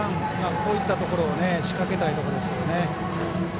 こういったところ仕掛けたいところですけどね。